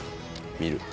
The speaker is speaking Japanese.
見る。